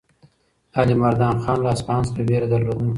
علیمردان خان له اصفهان څخه وېره درلوده.